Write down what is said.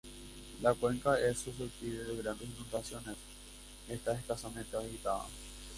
La cuenca, que es susceptible de grandes inundaciones, está escasamente habitada.